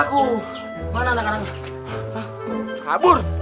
saat itu kinea beings bahan